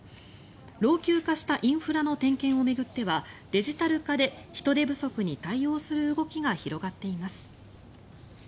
老朽化したインフラの点検を巡ってはデジタル化で人手不足に対応する動きが広がっています。